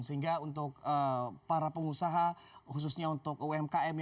sehingga untuk para pengusaha khususnya untuk umkm